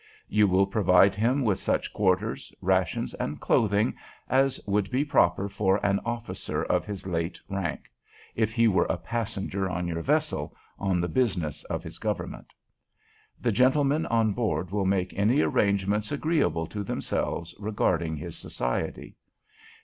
"You will provide him with such quarters, rations, and clothing as would be proper for an officer of his late rank, if he were a passenger on your vessel on the business of his Government. "The gentlemen on board will make any arrangements agreeable to themselves regarding his society.